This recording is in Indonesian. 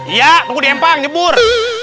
iya tunggu di empang nyebur